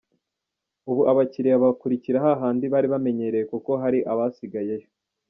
Ubu abakiriya bakurikira hahandi bari bamenyereye kuko hari abasigayeyo.